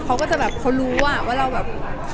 เค้าก็จะแบบเขารู้อ่ะว่าแบบ